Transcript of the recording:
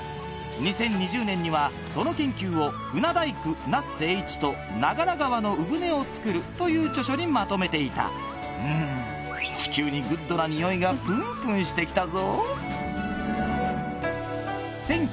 ２０２０年にはその研究を『船大工那須清一と長良川の鵜舟をつくる』という著書にまとめていたうんがプンプンして来たぞ